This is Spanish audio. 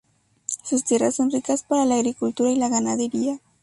Sus tierras son ricas para la agricultura y la ganadería.